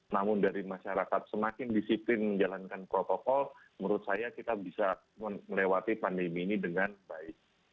namun dari masyarakat semakin disiplin menjalankan protokol menurut saya kita bisa melewati pandemi ini dengan baik